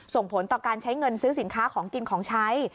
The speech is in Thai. ส่งผลต่อการใช้เงินซื้อสินค้าของกินของใช้